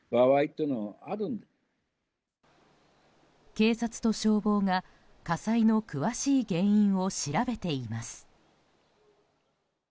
警察と消防が火災の詳しい原因を調べています。